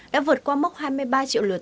đã vượt qua mốc hai mươi ba triệu lượt